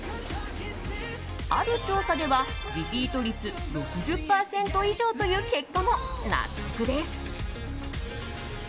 ある調査ではリピート率６０％以上という結果も納得です。